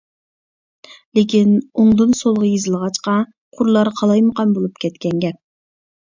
لېكىن ئوڭدىن سولغا يېزىلغاچقا قۇرلار قالايمىقان بولۇپ كەتكەن گەپ.